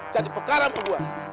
jadi pekara sama gua